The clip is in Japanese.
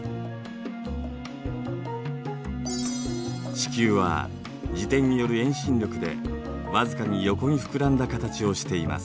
地球は自転による遠心力でわずかに横に膨らんだ形をしています。